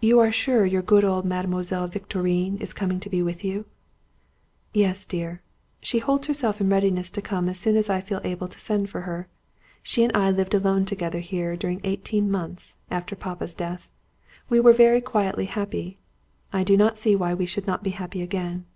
"You are sure your good old Mademoiselle Victorine is coming to be with you?" "Yes, dear. She holds herself in readiness to come as soon as I feel able to send for her. She and I lived alone together here during eighteen months, after Papa's death. We were very quietly happy. I do not see why we should not be happy again."